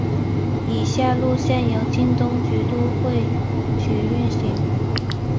以下路线由东京都交通局运行。